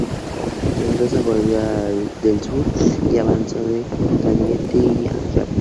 Mendoza volvió del sur y avanzó de Cañete a Quiapo.